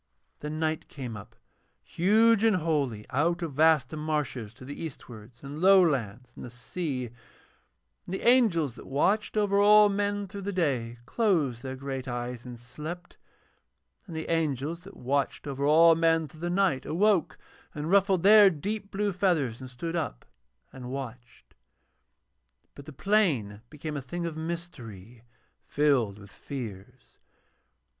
Then night came up, huge and holy, out of waste marshes to the eastwards and low lands and the sea; and the angels that watched over all men through the day closed their great eyes and slept, and the angels that watched over all men through the night awoke and ruffled their deep blue feathers and stood up and watched. But the plain became a thing of mystery filled with fears.